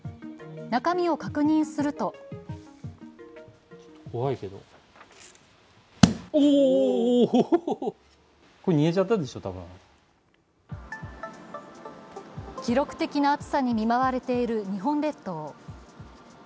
中身を確認すると記録的な暑さに見舞われている日本列島。